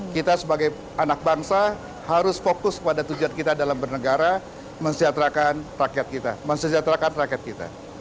kita sebagai anak bangsa harus fokus pada tujuan kita dalam bernegara mensejahterakan rakyat kita